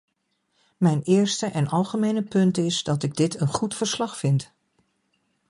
Mijn eerste en algemene punt is dat ik dit een goed verslag vind.